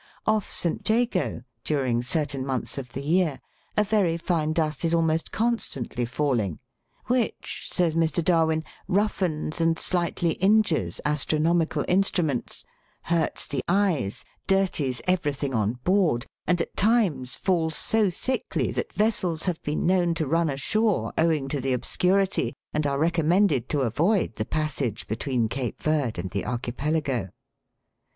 Off St. Jago, during certain months of the year, a very fine dust is almost constantly falling, which, says Mr. Darwin, roughens and slightly in jures astronomical instruments, hurts the eyes, dirties every thing on board, and at times falls so thickly that vessels have been known to run ashore owing to the obscurity, and are recommended to avoid the passage between Cape Verd and the Archipelago.